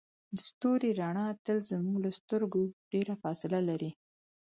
د ستوري رڼا تل زموږ له سترګو ډیره فاصله لري.